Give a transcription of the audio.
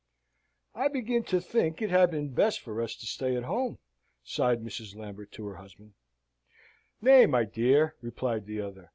"I begin to think it had been best for us to stay at home," sighed Mrs. Lambert to her husband. "Nay, my dear," replied the other.